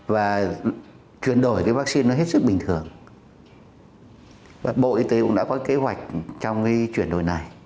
và chuyển đổi cái vaccine nó hết sức bình thường và bộ y tế cũng đã có kế hoạch trong cái chuyển đổi này